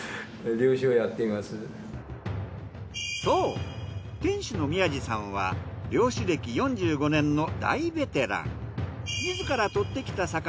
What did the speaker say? そう店主の宮地さんは漁師歴４５年の大ベテラン。